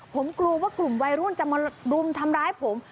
ผมกลัวว่ากลุ่มวัยรุ่นจะมารุมทำร้ายผม